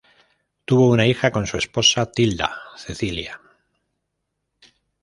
Tuvo una hija con su esposa Tilda, Cecilia.